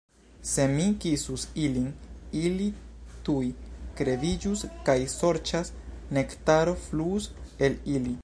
Se mi kisus ilin, ili tuj kreviĝus kaj sorĉa nektaro fluus el ili.